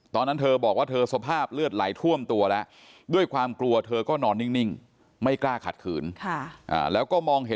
ตอนนั้นเธอบอกว่าเธอสภาพเลือดไหลท่วมตัวแล้ว